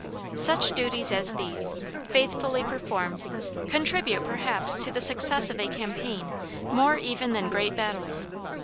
Such duties as these, faithfully performed, contribute perhaps to the success of a campaign more even than great battles.